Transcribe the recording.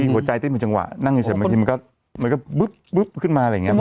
หัวใจติดหมดจังหวะนั่งอยู่เสร็จมาทีมันก็บึ๊บขึ้นมาอะไรอย่างงี้